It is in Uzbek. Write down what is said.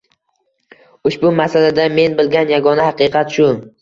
Ushbu masalada men bilgan yagona haqiqat shu.